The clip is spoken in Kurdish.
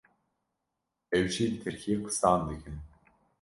ew jî bi Tirkî qisan dikin.